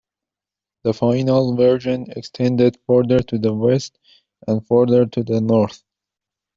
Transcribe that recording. The final version extended further to the west and further to the north.